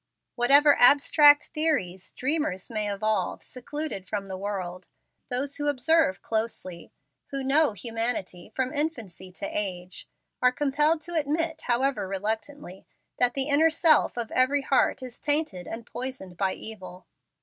Whatever abstract theories dreamers may evolve secluded from the world, those who observe closely who KNOW humanity from infancy to age are compelled to admit, however reluctantly, that the inner self of every heart is tainted and poisoned by evil.